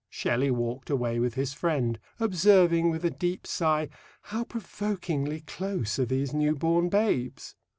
Shelley walked away with his friend, observing, with a deep sigh: "How provokingly close are these new born babes!"